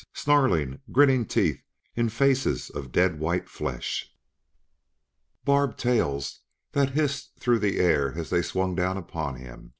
Snarling, grinning teeth in faces of dead white flesh! Barbed tails that hissed through the air as they swung down upon him!